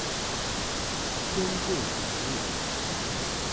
天钿女命。